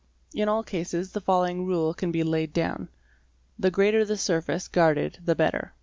In all cases the following rule can be laid down :—" The greater the surface guarded the better ''.